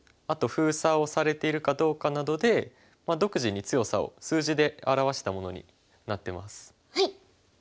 あと封鎖をされているかどうかなどで独自に強さを数字で表したものになってます。